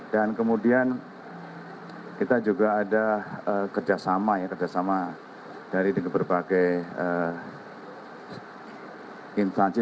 dan kemudian kita juga ada kerjasama ya kerjasama dari berbagai instansi